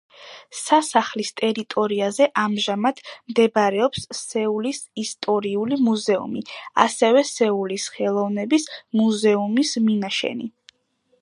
სასახლის ტერიტორიაზე ამჟამად მდებარეობს სეულის ისტორიული მუზეუმი, ასევე სეულის ხელოვნების მუზეუმის მინაშენი.